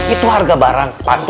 itu harga barang